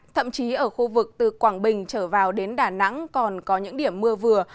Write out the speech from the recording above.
thậm chí ở khu vực từ quảng bình trở vào đến đà nẵng còn có những điểm mưa vừa